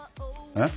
えっ？